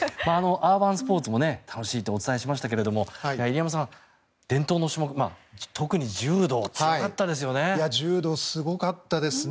アーバンスポーツも楽しいとお伝えしましたが入山さん、伝統の種目特に柔道強かったですね。